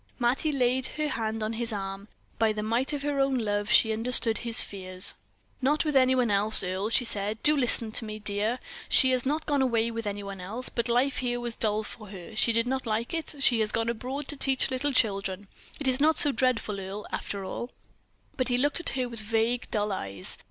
Mattie laid her hand on his arm. By the might of her own love she understood his fears. "Not with any one else, Earle," she said. "Do listen to me, dear. She has not gone away with anyone else; but life here was dull for her; she did not like it; she has gone abroad to teach little children. It is not so dreadful, Earle, after all." But he looked at her with vague, dull eyes.